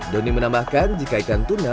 doni menambahkan jika ikan tuna